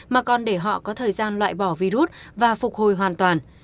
mà còn để họ có thời gian loại bỏ virus và phục hồi hoàn toàn